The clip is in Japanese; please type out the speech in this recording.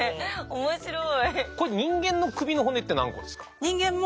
面白い。